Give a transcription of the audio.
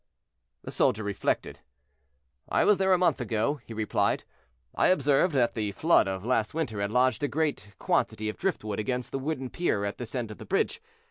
The soldier reflected. "I was there a month ago," he replied. "I observed that the flood of last winter had lodged a great quantity of driftwood against the wooden pier at this end of the bridge.